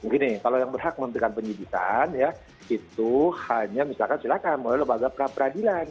mungkin nih kalau yang berhak menghentikan penyidikan ya itu hanya misalkan silakan oleh lembaga peradilan